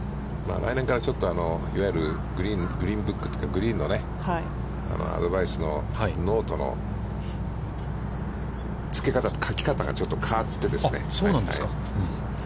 来年からちょっといわゆるグリーンブックというかグリーンのね、アドバイスのノートのつけ方、書き方が、ちょっと変わってですね。